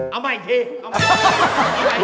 เอาใหม่อีกที